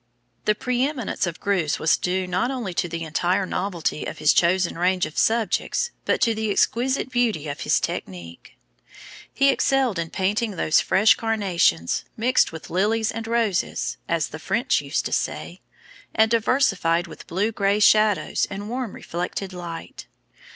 The pre eminence of Greuze was due not only to the entire novelty of his chosen range of subjects, but to the exquisite beauty of his technique. He excelled in painting those fresh carnations, "mixed with lilies and roses," as the French used to say, and diversified with blue gray shadows and warm reflected light.